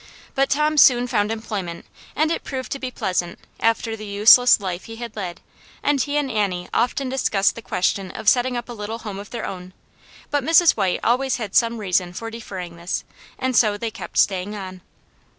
But Tom soon found employment, and it proved to be plea sant, after the useless life he had led, and he and Annie often discussed the question of setting up a little home of their own. But Mrs. White always had some reason for deferring this, and so they kept stay ing on.